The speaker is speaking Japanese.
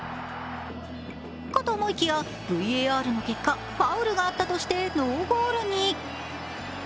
かと思いきやＶＡＲの結果、ファウルがあったとしてノーゴールに。